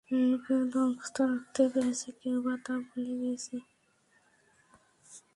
কেউ তা মুখস্থ রাখতে পেরেছে, কেউ বা তা ভুলে গিয়েছে।